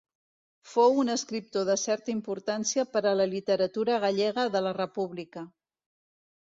Fou un escriptor de certa importància per a la literatura gallega de la república.